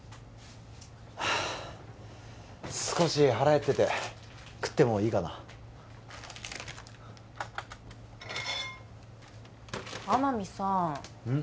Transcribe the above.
少し腹減ってて食ってもいいかな天海さんうん？